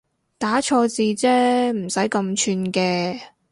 打錯字啫唔使咁串嘅